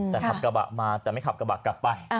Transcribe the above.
แต่ขับกระบะมาแต่ไม่ขับกระบะกลับไป